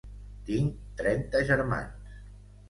Tinc trenta germans.